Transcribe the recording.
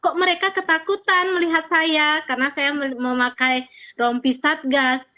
kok mereka ketakutan melihat saya karena saya memakai rompi satgas